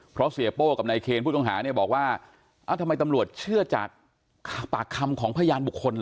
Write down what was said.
เพราะเสียโป้กับนายเคนผู้ต้องหาเนี่ยบอกว่าทำไมตำรวจเชื่อจากปากคำของพยานบุคคลเห